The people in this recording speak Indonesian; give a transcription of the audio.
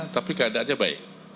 tapi keadaannya baik